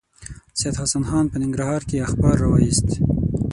سید حسن خان په ننګرهار کې اخبار راوایست.